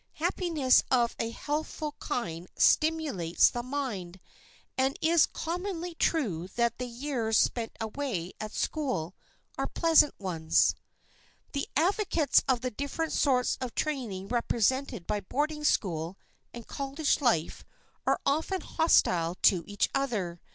Happiness of a healthful kind stimulates the mind, and it is commonly true that the years spent away at school are pleasant ones. [Sidenote: WHAT SCHOOL TO CHOOSE] The advocates of the different sorts of training represented by boarding school and college life are often hostile to each other.